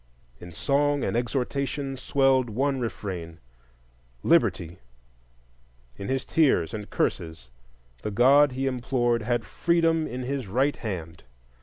In song and exhortation swelled one refrain—Liberty; in his tears and curses the God he implored had Freedom in his right hand.